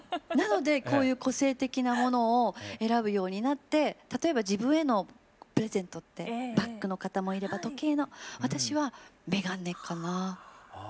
なのでこういう個性的なものを選ぶようになって例えば自分へのプレゼントってバッグの方もいれば時計の私は眼鏡かな。